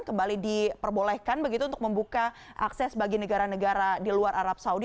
kembali diperbolehkan begitu untuk membuka akses bagi negara negara di luar arab saudi